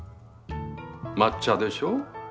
抹茶でしょ。